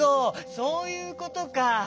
そういうことか。